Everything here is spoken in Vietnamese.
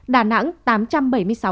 đà nẵng tám trăm bảy mươi sáu ca